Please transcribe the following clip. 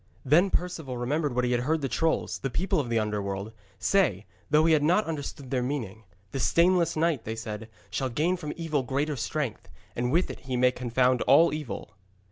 Then Perceval remembered what he had heard the trolls the people of the Underworld say, though he had not understood their meaning. 'The stainless knight,' they said, 'shall gain from evil greater strength, and with it he may confound all evil.'